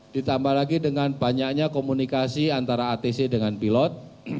ditambah lagi dengan banyaknya komunikasi antara atc dengan pilot